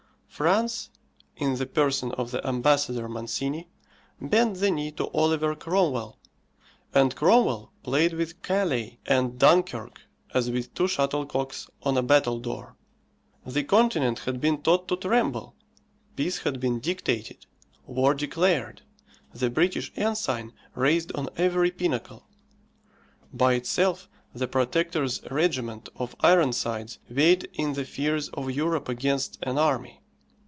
France, in the person of the Ambassador Mancini, bent the knee to Oliver Cromwell; and Cromwell played with Calais and Dunkirk as with two shuttlecocks on a battledore. The Continent had been taught to tremble, peace had been dictated, war declared, the British Ensign raised on every pinnacle. By itself the Protector's regiment of Ironsides weighed in the fears of Europe against an army.